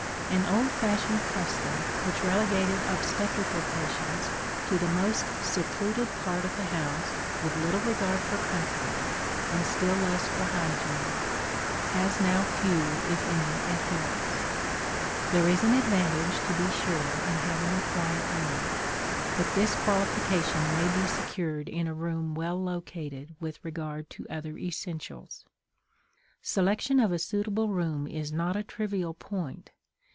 An old fashioned custom, which relegated obstetrical patients to the most secluded part of the house, with little regard for comfort and still less for hygiene, has now few, if any, adherents. There is an advantage, to be sure, in having a quiet room; but this qualification may be secured in a room well located with regard to other essentials. Selection of a suitable room is not a trivial point.